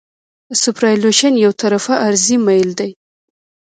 سوپرایلیویشن یو طرفه عرضي میل دی